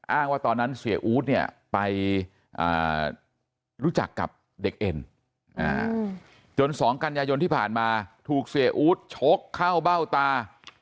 ว่าตอนนั้นเสียอู๊ดเนี่ยไปรู้จักกับเด็กเอ็นจน๒กันยายนที่ผ่านมาถูกเสียอู๊ดชกเข้าเบ้าตา